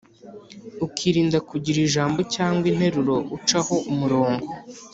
ukirinda kugira ijambo cyangwa interuro ucaho umurongo.